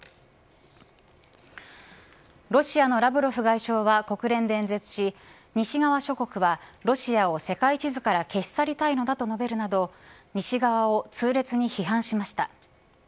ロシアのラブロフ外相は国連で演説し西側諸国はロシアを世界地図から消し去りたいのだと述べるなど西側を痛烈に批判しました。